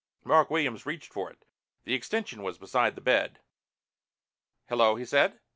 Mark Williams reached for it. The extension was beside his bed. "Hello," he said.